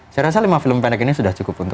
saya rasa lima film pendek ini sudah cukup untuk